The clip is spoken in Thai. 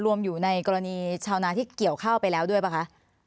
รวมอยู่ในกรณีชาวนาที่เกี่ยวข้าวไปแล้วด้วยป่ะคะ